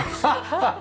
ハハハッ！